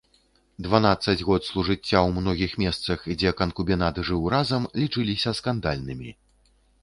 Дванаццаць год сужыцця ў многіх месцах, дзе канкубінат жыў разам, лічыліся скандальнымі.